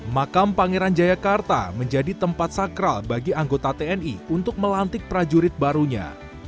makam pangeran jayakarta menjadi tempat sakral bagi anggota tni untuk melantik prajurit barunya